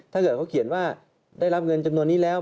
ถ้าเกิดเขาเขียนว่าได้รับเงินจำนวนนี้แล้ว